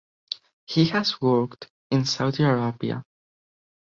He has worked in Saudi Arabia.